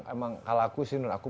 emang kalau aku sih menurut aku